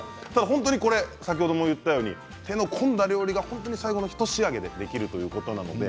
先ほども言ったように本当に手の込んだ料理が最後のひと仕上げでできるんです。